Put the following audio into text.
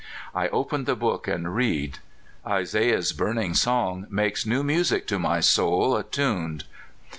I open the Book and read. Isaiah's burning song makes new music to my soul attuned.